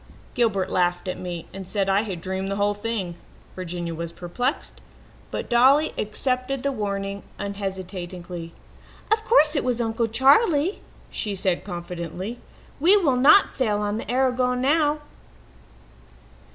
Gilbert laughed at me and said I had dreamed the whole thing. Virginia was perplexed, but Dolly accepted the warning unhesitatingly. "'Of course it was Uncle Charley,' she said confidently. 'We will not sail on the Aragon now.'